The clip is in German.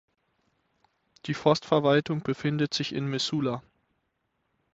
Die Forstverwaltung befindet sich in Missoula.